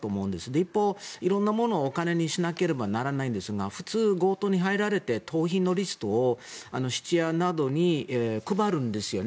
一方、色んなものをお金にしなければならないんですが普通、強盗に入られて盗品のリストを質屋などに配るんですよね。